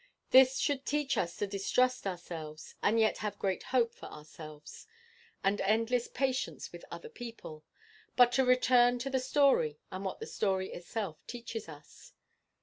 This should teach us to distrust ourselves, and yet have great hope for ourselves, and endless patience with other people. But to return to the story and what the story itself teaches us.